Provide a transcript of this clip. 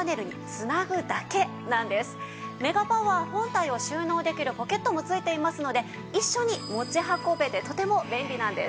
メガパワー本体を収納できるポケットも付いていますので一緒に持ち運べてとても便利なんです。